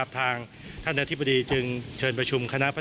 ทางท่านเนื้อทิพธีเกริงเชิญไปชุมค